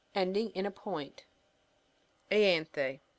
^ Ending in a Ipoint iElANTHE.